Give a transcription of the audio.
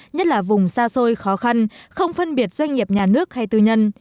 nhất là vùng xa xôi khó khăn không phân biệt doanh nghiệp nhà nước hay tư nhân